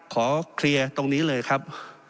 ขอเคลียร์ตรงนี้เลยครับ